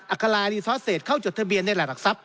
อาคารารีซอสเศษเข้าจดทะเบียนในหลักทรัพย